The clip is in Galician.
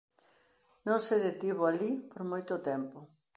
Non se detivo alí por moito tempo.